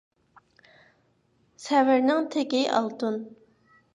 سەۋرنىڭ تېگى ئالتۇن.